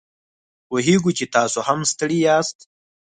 پوهیږو چې تاسو هم ستړي یاست